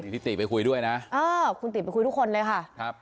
ที่ติไปคุยด้วยนะเออคุณติไปคุยทุกคนเลยค่ะครับ